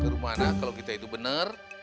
rumana kalau kita itu bener